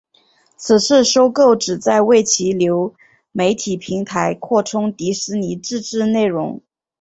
此次收购旨在为其流媒体平台扩充迪士尼自制内容。